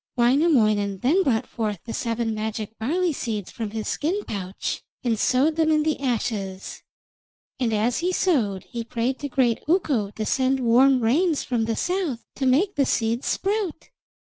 Wainamoinen then brought forth the seven magic barley seeds from his skin pouch, and sowed them in the ashes, and as he sowed he prayed to great Ukko to send warm rains from the south to make the seeds sprout.